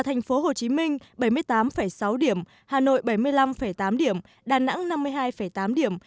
thành phố hồ chí minh bảy mươi tám sáu điểm hà nội bảy mươi năm tám điểm đà nẵng năm mươi hai tám điểm